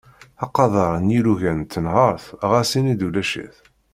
Aqader n yilugan n tenhert ɣas ini-d ulac-it.